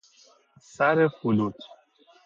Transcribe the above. سر فلوت